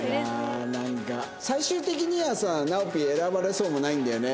最終的にはさナオピー選ばれそうもないんだよね。